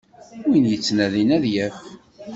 Win yettnadin ad yaf.